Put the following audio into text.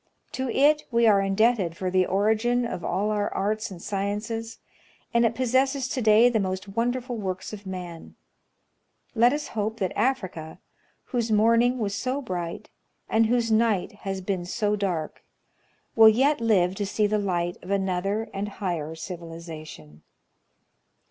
To it we are indebted for the origin of all our arts and sciences, and it possesses to day the most won dei'ful works of man. Let us hope that Africa, whose morning was so bright, and whose night has been so dark, will yet live to see the light of another and higher civilization.